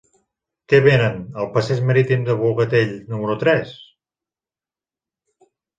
Què venen al passeig Marítim del Bogatell número tres?